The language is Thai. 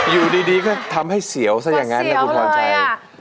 อยู่ดีก็ทำให้เสียวซะอย่างนั้นนะคุณพรชัย